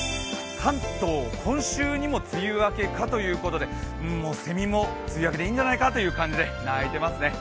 関東今週にも梅雨明けかということでもうセミも梅雨明けでいいんじゃないかということで鳴いていますね。